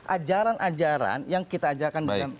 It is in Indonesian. ajaran ajaran yang kita ajarkan dalam